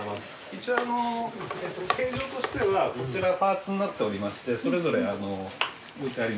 一応形状としてはこちらパーツになっておりましてそれぞれ置いてあります。